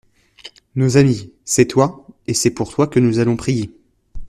Nos amis, c'est toi, et c'est pour toi que nous allons prier.